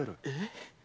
え？